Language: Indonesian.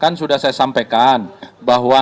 kan sudah saya sampaikan bahwa